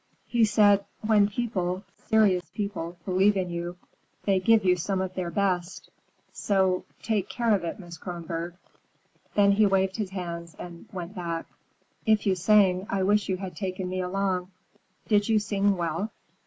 "He said, 'When people, serious people, believe in you, they give you some of their best, so—take care of it, Miss Kronborg.' Then he waved his hands and went back." "If you sang, I wish you had taken me along. Did you sing well?"